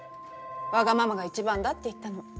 「わがままが一番だ」って言ったの。